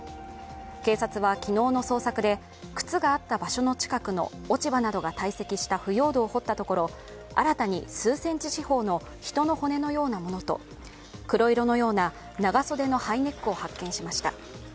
警察は昨日の捜索で靴があった場所の近くの落ち葉などが堆積した腐葉土を掘ったところ新たに数センチ四方の人の骨のようなものと、黒色のような長袖のハイネックを発見しました。